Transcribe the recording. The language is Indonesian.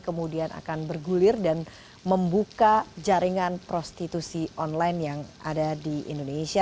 kemudian akan bergulir dan membuka jaringan prostitusi online yang ada di indonesia